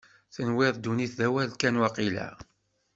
Tenwiḍ ddunit d awal kan, waqila?